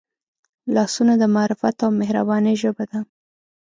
لاسونه د معرفت او مهربانۍ ژبه ده